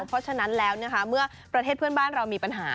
เพราะฉะนั้นแล้วนะคะเมื่อประเทศเพื่อนบ้านเรามีปัญหา